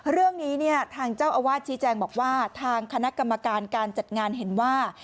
เรื่องนี้เนี่ยทางเจ้าอาวาสชี้แจงบอกว่าทางคณะกรรมการการจัดงานเห็นว่า